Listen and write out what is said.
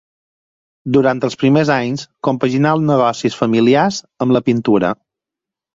Durant els primers anys compaginà els negocis familiars amb la pintura.